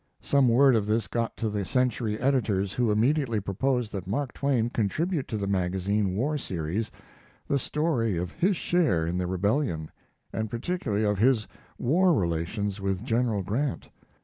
Some word of this got to the Century editors, who immediately proposed that Mark Twain contribute to the magazine War Series the story of his share in the Rebellion, and particularly of his war relations with General Grant.